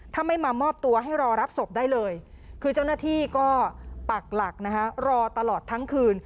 ถ้าไม่มามอบตัวให้รอรับศพได้เลยคือเจ้าหน้าที่ก็ปักหลักนะคะรอตลอดทั้งคืน